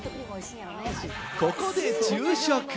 ここで昼食。